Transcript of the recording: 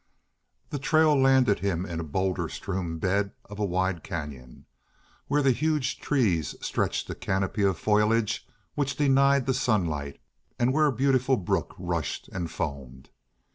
The trail landed him in the bowlder strewn bed of a wide canyon, where the huge trees stretched a canopy of foliage which denied the sunlight, and where a beautiful brook rushed and foamed.